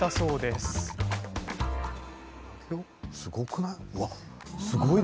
すごくない？